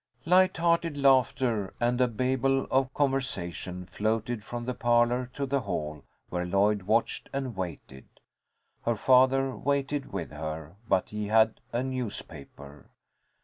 Light hearted laughter and a babel of conversation floated from the parlour to the hall, where Lloyd watched and waited. Her father waited with her, but he had a newspaper.